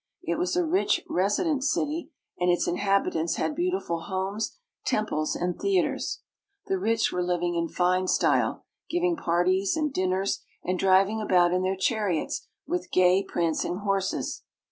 It was a rich residence city, and its inhabitants had beautiful homes, temples, and theaters. The rich were living in fine style, giving parties and dinners, and driving about in their chariots with gay prancing horses.